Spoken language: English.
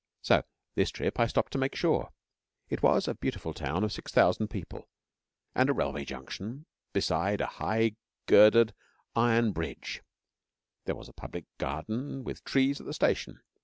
So, this trip, I stopped to make sure. It was a beautiful town of six thousand people, and a railway junction, beside a high girdered iron bridge; there was a public garden with trees at the station.